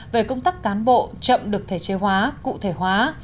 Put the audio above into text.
về công tác cán bộ chậm được thể chế hóa cụ thể hóa